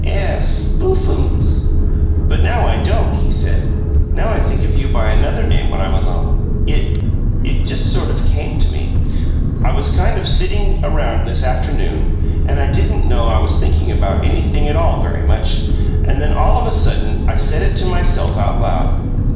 "Ess. Boo'fums." "But now I don't," he said. "Now I think of you by another name when I'm alone. It it just sort of came to me. I was kind of just sitting around this afternoon, and I didn't know I was thinking about anything at all very much, and then all of a sudden I said it to myself out loud.